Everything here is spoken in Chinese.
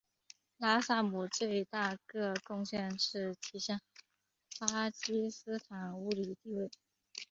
萨拉姆最大个贡献是提升巴基斯坦物理地位。